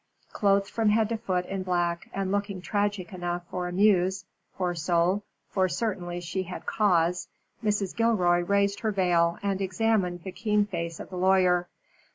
Clothed from head to foot in black, and looking tragic enough for a Muse, poor soul, for certainly she had cause, Mrs. Gilroy raised her veil and examined the keen face of the lawyer.